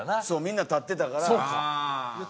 そうみんな立ってたから。